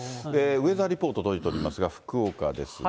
ウェザーリポート届いておりますが、福岡ですが。